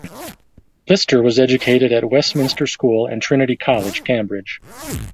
Lister was educated at Westminster School and Trinity College, Cambridge.